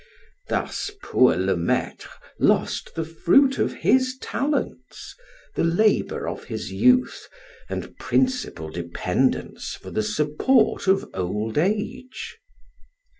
Thus poor Le Maitre lost the fruit of his talents, the labor of his youth, and principal dependence for the support of old age.